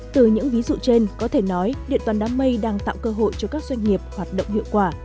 từ những ví dụ trên có thể nói điện toàn đám mây đang tạo cơ hội cho các doanh nghiệp hoạt động hiệu quả